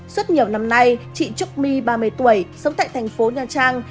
suốt nhiều năm nay chị trúc my ba mươi tuổi sống tại thành phố nha trang